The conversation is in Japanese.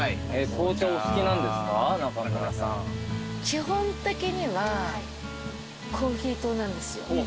基本的にはコーヒー党なんですよ。